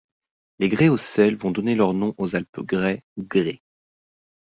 Les Graiocèles vont donner leur nom aux alpes graies ou grées.